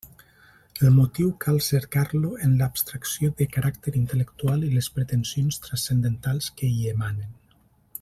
El motiu cal cercar-lo en l'abstracció de caràcter intel·lectual i les pretensions transcendentals que hi emanen.